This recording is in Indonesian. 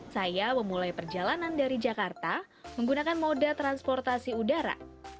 saya memulai perjalanan dari jakarta menggunakan moda transportasi udara